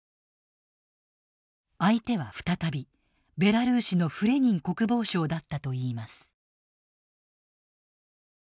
相手は再びベラルーシのフレニン国防相だったといいます。